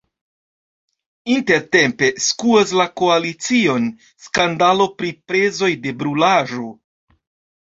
Intertempe skuas la koalicion skandalo pri prezoj de brulaĵo.